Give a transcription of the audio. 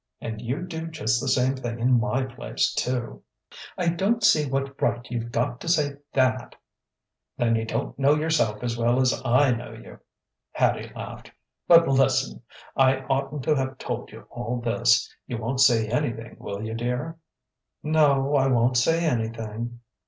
And you'd do just the same thing in my place, too." "I don't see what right you've got to say that " "Then you don't know yourself as well as I know you," Hattie laughed. "But listen: I oughtn't to have told you all this. You won't say anything, will you, dear?" "No, I won't say anything...."